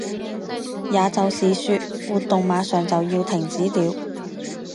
也就是说，活动马上就要停止了。